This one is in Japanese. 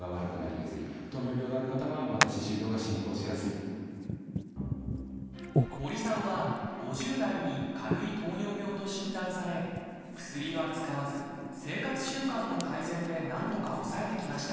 でも森さんは５０代に軽い糖尿病と診断され薬は使わず生活習慣の改善でなんとか抑えてきました。